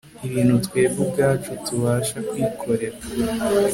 Ibintu Twebwe Ubwacu Tubasha Kwikorera